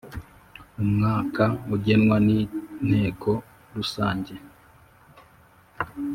umwaka ugenwa n inteko rusange